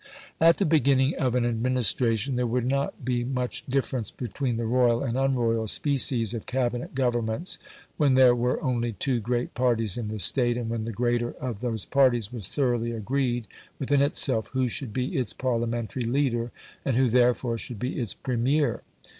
At the beginning of an administration there would not be much difference between the royal and unroyal species of Cabinet governments when there were only two great parties in the State, and when the greater of those parties was thoroughly agreed within itself who should be its Parliamentary leader, and who therefore should be its Premier.